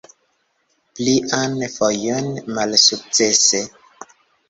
Plian fojon malsukcese.